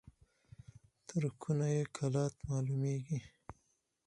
تر کونه يې کلات معلومېږي.